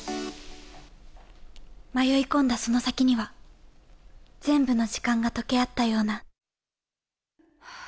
迷い込んだその先には、全部の時間が溶け合ったような。